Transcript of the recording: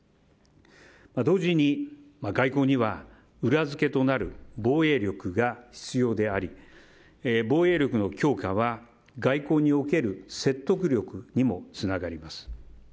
同時に、外交には裏付けとなる防衛力が必要であり防衛力の強化は、外交における説得力にもつながります。